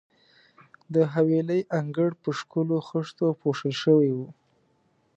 د حویلۍ انګړ په ښکلو خښتو پوښل شوی وو.